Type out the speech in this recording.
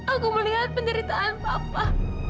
aku melihat penderitaan papa